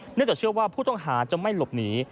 จากเชื่อว่าผู้ต้องหาจะไม่หลบหนี